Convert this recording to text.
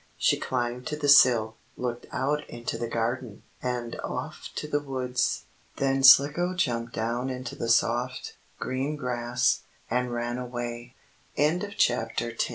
She climbed to the sill, looked out into the garden, and off to the woods. Then Slicko jumped down into the soft, green grass, and ran away. CHAPTER XI SLICKO'